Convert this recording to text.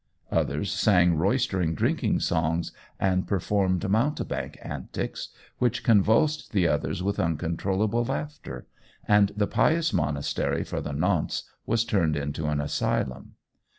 Others sang roystering drinking songs and performed mountebank antics, which convulsed the others with uncontrollable laughter, and the pious monastery for the nonce was turned into an asylum.